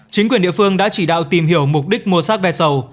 chính quyền địa phương đã chỉ đạo tìm hiểu mục đích mua xác vẹt sầu